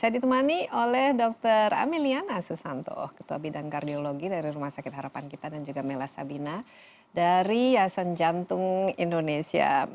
saya ditemani oleh dr ameliana susanto ketua bidang kardiologi dari rumah sakit harapan kita dan juga mela sabina dari yasan jantung indonesia